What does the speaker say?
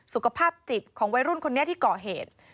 สุขภาพจิตของวัยรุ่นคนนี้ที่ก่อเหตุ